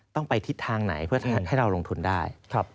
ต้องไปทิศทางไหนเพื่อให้เราลงทุนได้